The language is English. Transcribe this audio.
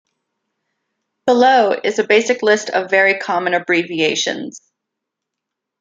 Below is a basic list of very common abbreviations.